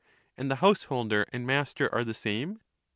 And the householder and master are the same